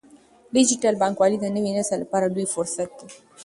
ډیجیټل بانکوالي د نوي نسل لپاره لوی فرصت دی۔